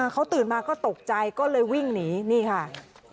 เขาตื่นมาก็ตกใจก็เลยวิ่งหนีนี่ค่ะ